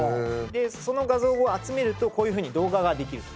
その画像を集めるとこういう風に動画ができると。